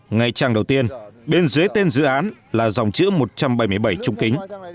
ngày trang đầu tiên bên dưới tên dự án là dòng chữ một trăm bảy mươi bảy trung kính